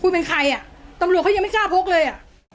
คุณเป็นใครอ่ะตำรวจเขายังไม่กล้าพกเลยอ่ะ